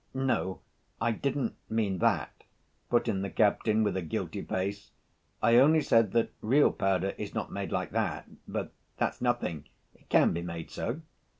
"No, I didn't mean that," put in the captain with a guilty face. "I only said that real powder is not made like that, but that's nothing, it can be made so."